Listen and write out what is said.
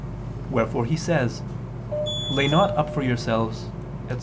Wherefore He says: "Lay not up for yourselves," etc.